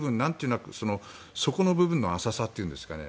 そこの部分の浅さというんですかね